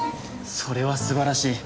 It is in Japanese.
それはすばらしい。